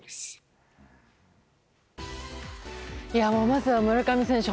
まずは、村上選手